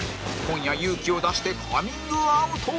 今夜勇気を出してカミングアウト